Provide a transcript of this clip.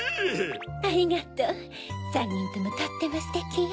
ありがとう３にんともとってもステキよ。